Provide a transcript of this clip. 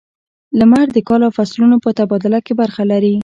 • لمر د کال او فصلونو په تبادله کې برخه لري.